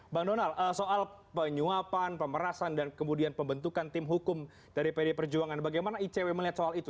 bang donald soal penyuapan pemerasan dan kemudian pembentukan tim hukum dari pd perjuangan bagaimana icw melihat soal itu